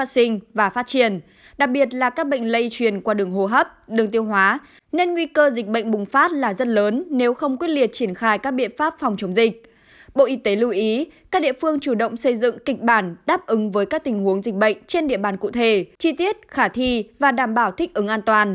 xin chào và hẹn gặp lại trong các bộ phim tiếp theo